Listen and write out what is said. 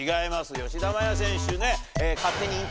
吉田麻也選手ね。